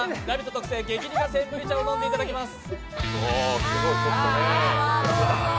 特製・激苦センブリ茶を飲んでいただきます。